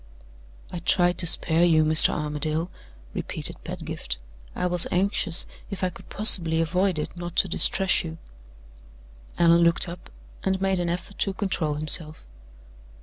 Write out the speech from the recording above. "I tried to spare you, Mr. Armadale," repeated Pedgift. "I was anxious, if I could possibly avoid it, not to distress you." Allan looked up, and made an effort to control himself.